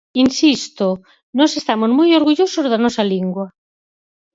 Insisto, nós estamos moi orgullosos da nosa lingua.